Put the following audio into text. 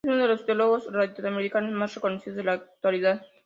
Es uno de los teólogos latinoamericanos más reconocidos de la actualidad.